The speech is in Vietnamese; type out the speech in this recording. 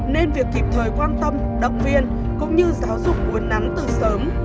nên việc kịp thời quan tâm động viên cũng như giáo dục uốn nắn từ sớm